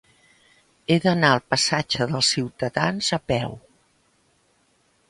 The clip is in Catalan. He d'anar al passatge dels Ciutadans a peu.